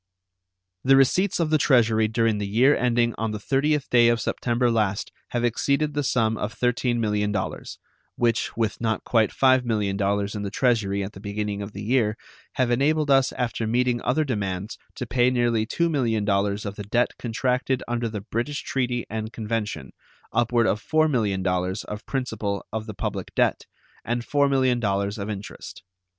The receipts of the Treasury during the year ending on the 30th day of September last have exceeded the sum of $13 millions, which, with not quite $5 millions in the Treasury at the beginning of the year, have enabled us after meeting other demands to pay nearly $2 millions of the debt contracted under the British treaty and convention, upward of $4 millions of principal of the public debt, and $4 millions of interest.